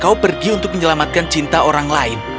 kau pergi untuk menyelamatkan cinta orang lain